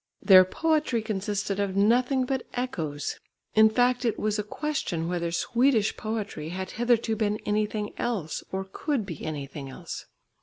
Their poetry consisted of nothing but echoes. In fact it was a question whether Swedish poetry had hitherto been anything else, or could be anything else.